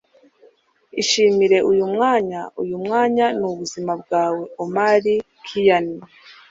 Ishimire uyu mwanya. Uyu mwanya ni ubuzima bwawe. ”- Omar Khayyam